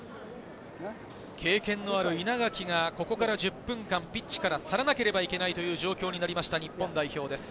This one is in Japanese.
経験のある稲垣が、ここから１０分間ピッチから去らなければいけないという状況になりました、日本代表です。